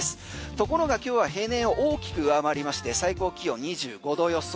ところが今日は平年を大きく上回りまして最高気温２５度予想。